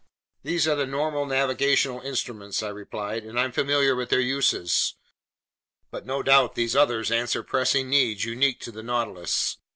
"These are the normal navigational instruments," I replied, "and I'm familiar with their uses. But no doubt these others answer pressing needs unique to the Nautilus.